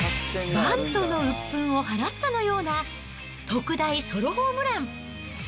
バントのうっぷんを晴らすかのような、特大ソロホームラン。